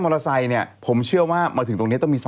มอเตอร์ไซต์เนี่ยผมเชื่อว่ามาถึงตรงนี้